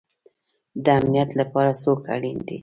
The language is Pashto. د امنیت لپاره څوک اړین دی؟